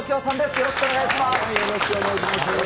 よろしくお願いします。